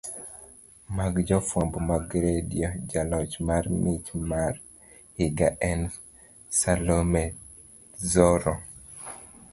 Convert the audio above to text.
mag jofwambo mag redio jaloch mar mich mar higa en Salome Dzoro